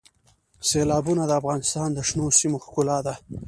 سیلابونه د افغانستان د شنو سیمو ښکلا ده.